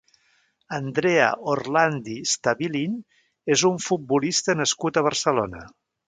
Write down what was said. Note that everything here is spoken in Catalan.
Andrea Orlandi Stabilin és un futbolista nascut a Barcelona.